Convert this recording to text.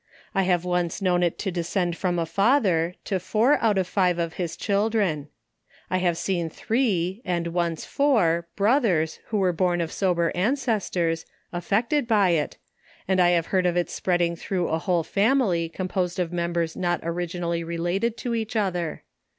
I have ohce known it to descend from a father to four out of five of his children. I have seen three, and encc four brothers who were born of sober ancestors, affected by it, and I have heard of its spreading through a whole fami ly composed of members not originally related to each other.